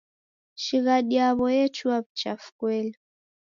Shighadi yaw'o yechua w'uchafu kweli.